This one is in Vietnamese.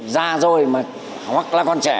gia rồi hoặc là còn trẻ